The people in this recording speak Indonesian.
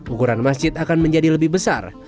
ukuran masjid akan menjadi lebih besar